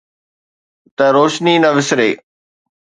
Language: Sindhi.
ته روشني نه وسري.